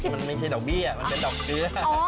มันไม่ใช่ดอกเบี้ยมันเป็นดอกเชื้อ